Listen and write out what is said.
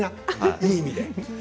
いい意味で。